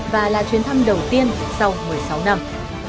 và là chuyến thăm đầu tiên sau một mươi sáu năm